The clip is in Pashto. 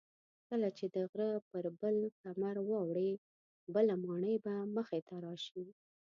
کله چې د غره پر بل کمر واوړې بله ماڼۍ به مخې ته راشي.